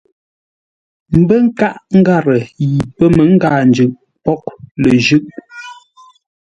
Mbə́ nkâʼ ngarə yi pəməngâa njʉʼ póghʼ lə jʉ́.